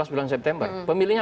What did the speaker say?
bulan september pemilihnya